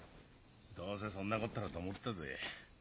どうせそんなこったろうと思ったぜ。